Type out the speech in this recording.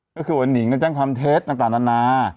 ก็คือหนิงเนี่ยแจ้งความเท็จต่าง